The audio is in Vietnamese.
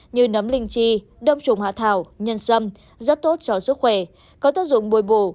như nấm linh chi đông trùng hạ thảo nhân sâm rất tốt cho sức khỏe có tác dụng bồi bổ